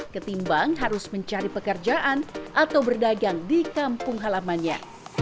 ketimbang harus mencari pekerjaan atau berdagang di kampung halamannya